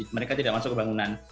mereka tidak masuk ke bangunan